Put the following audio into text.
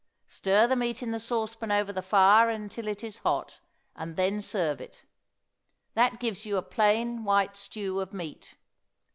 Stir the meat in the saucepan over the fire until it is hot, and then serve it. That gives you a plain white stew of meat.